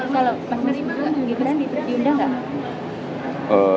kalau mas ibu diundang gak